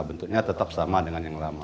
bentuknya tetap sama dengan yang lama